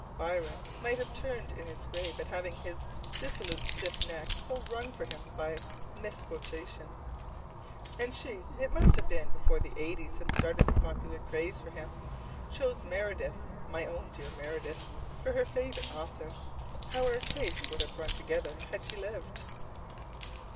Byron might have turned in his grave at having his dissolute stiff neck so wrung for him by misquotation. And she it must have been before the eighties had started the popular craze for him chose Meredith, my own dear Meredith, for her favorite author. How our tastes would have run together had she lived!